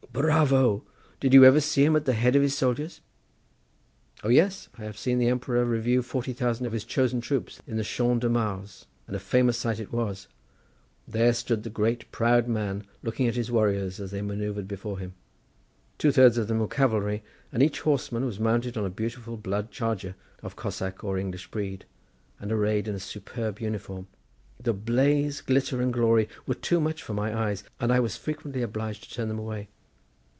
"Bravo! Did you ever see him at the head of his soldiers?" "O yes! I have seen the Emperor review forty thousand of his chosen troops in the Champs de Mars, and a famous sight it was. There stood the great, proud man looking at his warriors as they manœuvred before him. Two thirds of them were cavalry, and each horseman was mounted on a beautiful blood charger of Cossack or English breed, and arrayed in a superb uniform. The blaze, glitter and glory were too much for my eyes, and I was frequently obliged to turn them away.